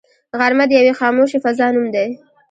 غرمه د یوې خاموشې فضا نوم دی